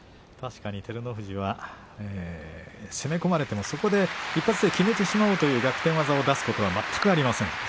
確かに照ノ富士は攻め込まれても１発で決めてしまおうという逆転技を出そうということはありません。